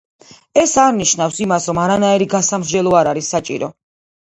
ეს არ ნიშნავს იმას, რომ არანაირი გასამრჯელო არ არის საჭირო.